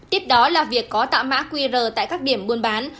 tiếp đó là việc có tạo mã qr tại các điểm buôn bán